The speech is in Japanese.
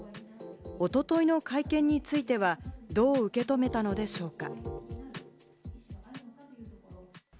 おとといの会見については、どう受け止めたのでしょうか？